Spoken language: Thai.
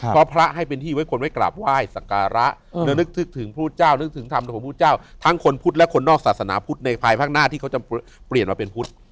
เพราะพระให้เป็นที่ไว้คนไว้กราบไหว้สักการะและนึกถึงพระพุทธเจ้านึกถึงธรรมของพุทธเจ้าทั้งคนพุทธและคนนอกศาสนาพุทธในภายภาคหน้าที่เขาจะเปลี่ยนมาเป็นพุทธ